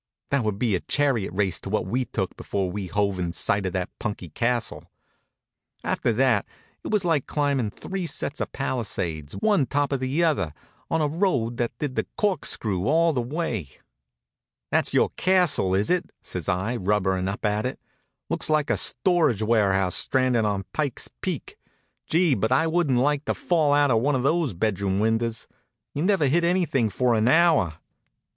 That would be a chariot race to what we took before we hove in sight of that punky castle. After that it was like climbing three sets of Palisades, one top of the other, on a road that did the corkscrew all the way. "That's your castle, is it?" says I, rubberin' up at it. "Looks like a storage warehouse stranded on Pike's Peak. Gee, but I wouldn't like to fall out of one of those bedroom windows! You'd never hit anything for an hour.